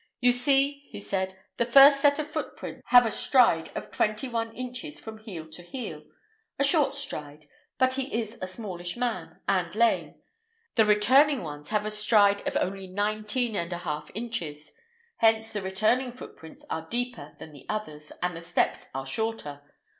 "You see," he said, "the first set of footprints have a stride of twenty one inches from heel to heel—a short stride; but he is a smallish man, and lame; the returning ones have a stride of only nineteen and a half inches; hence the returning footprints are deeper than the others, and the steps are shorter.